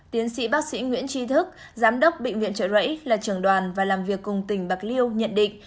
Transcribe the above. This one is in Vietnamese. tiến sĩ bác sĩ nguyễn tri thức giám đốc bệnh viện trợ rẫy là trưởng đoàn và làm việc cùng tỉnh bạc liêu nhận định